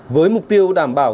với mục tiêu đảm bảo